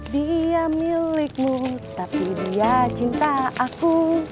dia milikmu tapi dia cinta aku